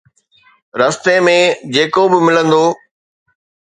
رستي ۾ جيڪو به ملندو